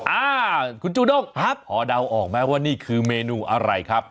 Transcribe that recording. อ่าคุณจูด้งครับพอเดาออกไหมว่านี่คือเมนูอะไรครับ